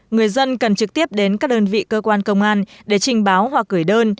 người dân cần trực tiếp đến các đơn vị cơ quan công an để trình báo hoặc gửi đơn